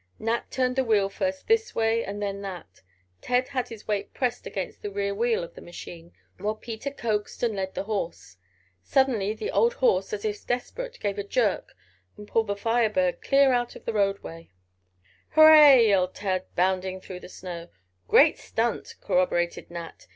Nat turned the wheel first this way and then that. Ted had his weight pressed against the rear wheel of the machine, while Peter coaxed and led the horse. Suddenly the old horse, as if desperate, gave a jerk and pulled the Fire Bird clear out into the roadway! "Hurrah!" yelled Ted, bounding through the snow. "Great stunt!" corroborated Nat.